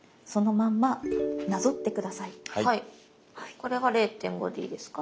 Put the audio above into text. これは０．５でいいですか？